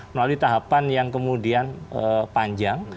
melalui tahapan yang kemudian panjang